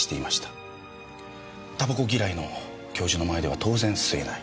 煙草嫌いの教授の前では当然吸えない。